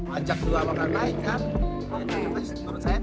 ajak dua orang yang naik kan menurut saya tujuh juta